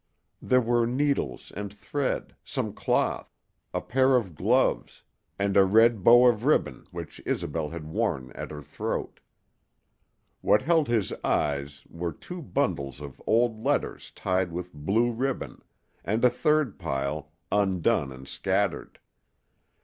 There were needles and thread, some cloth, a pair of gloves, and a red bow of ribbon which Isobel had worn at her throat. What held his eyes were two bundles of old letters tied with blue ribbon, and a third pile, undone and scattered.